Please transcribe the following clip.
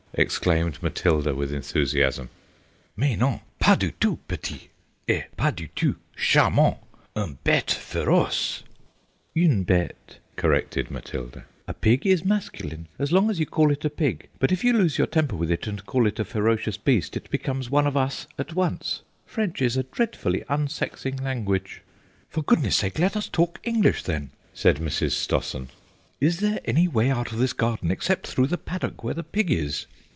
exclaimed Matilda with enthusiasm. "Mais non, pas du tout petit, et pas du tout charmant; un bête féroce—" "Une bête," corrected Matilda; "a pig is masculine as long as you call it a pig, but if you lose your temper with it and call it a ferocious beast it becomes one of us at once. French is a dreadfully unsexing language." "For goodness' sake let us talk English then," said Mrs. Stossen. "Is there any way out of this garden except through the paddock where the pig is?"